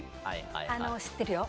あの知ってるよ。